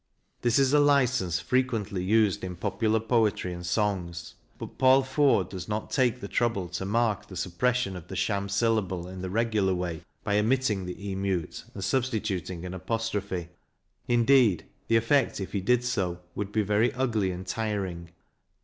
This is a licence frequently used in popular poetry and songs, but Paul Fort does 266 CRITICAL STUDIES not take the trouble to mark the suppression of the sham syllable in the regular way by omitting the e mute and substituting an apostrophe. Indeed the effect if he did so would be very ugly and tiring.